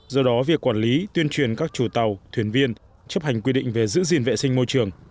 do đó việc quản lý tuyên truyền các chủ tàu thuyền viên chấp hành quy định về giữ gìn vệ sinh môi trường